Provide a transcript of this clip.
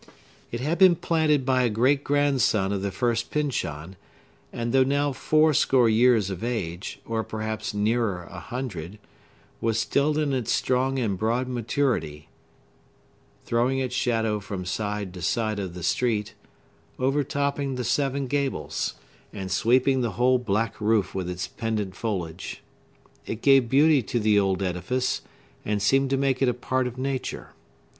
It had been planted by a great grandson of the first Pyncheon, and, though now four score years of age, or perhaps nearer a hundred, was still in its strong and broad maturity, throwing its shadow from side to side of the street, overtopping the seven gables, and sweeping the whole black roof with its pendant foliage. It gave beauty to the old edifice, and seemed to make it a part of nature.